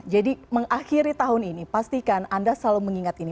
jadi mengakhiri tahun ini pastikan anda selalu mengingat ini